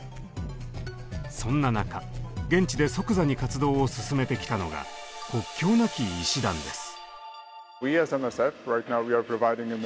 そんな中現地で即座に活動を進めてきたのが国境なき医師団です。